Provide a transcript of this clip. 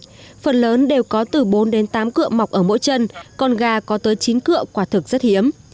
phần lớn đều có từ bốn đến tám cựa mọc ở mỗi chân con gà có tới chín cựa quả thực rất hiếm